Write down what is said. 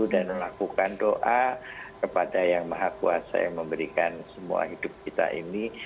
dan melakukan doa kepada yang maha kuasa yang memberikan semua hidup kita ini